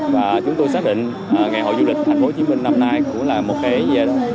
và chúng tôi xác định ngày hội du lịch thành phố hồ chí minh năm nay cũng là một cái thời trường